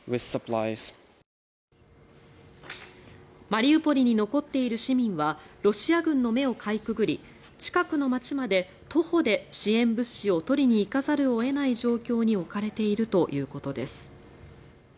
マリウポリに残っている市民はロシア軍の目をかいくぐり近くの街まで徒歩で支援物資を取りにいかざるを得ない状況に置かれているということです。